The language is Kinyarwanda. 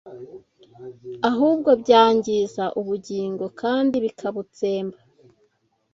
ahubwo byangiza ubugingo kandi bikabutsemba